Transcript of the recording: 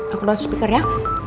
aku lewat speaker ya